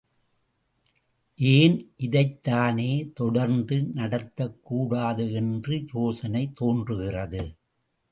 ஏன் இதைத் தானே தொடர்ந்து நடத்தக்கூடாது என்ற யோசனை தோன்றுகிறது.